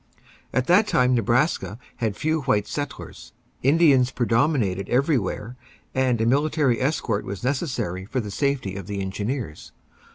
At that time Nebraska had few white settlers; Indians predominated everywhere, and a military escort was necessary for the safety of the engineers.